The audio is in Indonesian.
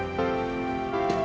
bu kamu badass